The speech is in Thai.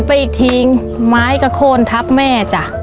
โปรดติดตามต่อไป